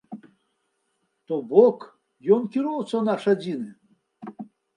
То бок, ён кіроўца наш адзіны.